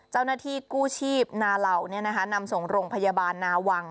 เจ้าหน้าที่กู้ชีพนาเหล่านำส่งโรงพยาบาลนาวัง